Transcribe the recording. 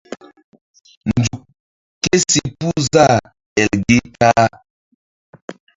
Nzuk kési puh zah el gi ta-a.